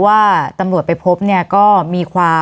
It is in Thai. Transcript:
วันนี้แม่ช่วยเงินมากกว่า